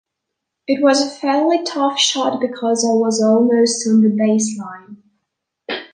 It was a fairly tough shot because I was almost on the baseline.